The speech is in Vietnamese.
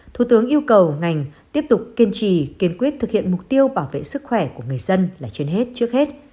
thủ tướng yêu cầu ngành tiếp tục kiên trì kiên quyết thực hiện mục tiêu bảo vệ sức khỏe của người dân là trên hết trước hết